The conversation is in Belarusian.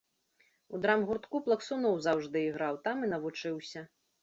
У драмгуртку плаксуноў заўжды іграў, там і навучыўся.